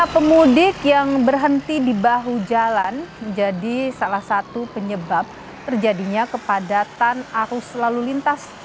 pemudik yang berhenti di bahu jalan menjadi salah satu penyebab terjadinya kepadatan arus lalu lintas